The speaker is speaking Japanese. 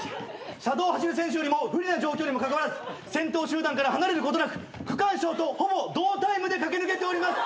車道を走る選手よりも不利な状況にもかかわらず先頭集団から離れることなく区間賞とほぼ同タイムで駆け抜けております！